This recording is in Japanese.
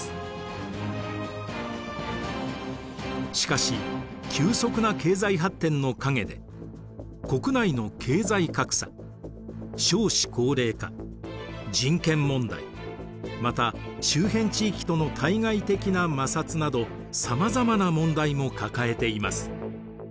しかし急速な経済発展の陰で国内の経済格差少子高齢化人権問題また周辺地域との対外的な摩擦などさまざまな問題も抱えています。